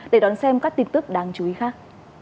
để đón xem các tin tức đáng chú ý khác